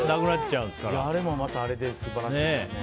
あれもまたあれで素晴らしいですね。